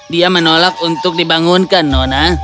dia menolak untuk dibangunkan nona